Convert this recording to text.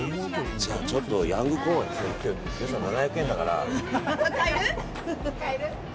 じゃあ、ちょっとヤングコーンは今日、７００円だから。